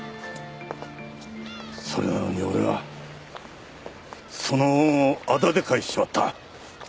それなのに俺はその恩をあだで返しちまった。